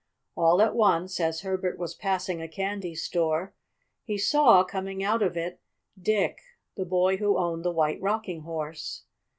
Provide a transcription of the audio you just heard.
All at once, as Herbert was passing a candy store, he saw, coming out of it, Dick, the boy who owned the White Rocking Horse.